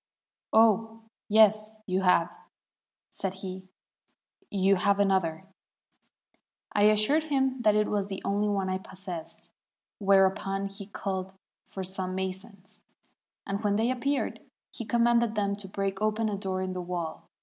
'Oh, yes, you have,' said he; 'you have another.' I assured him that it was the only one I possessed, whereupon he called for some masons, and when they appeared, he commanded them to break open a door in the wall.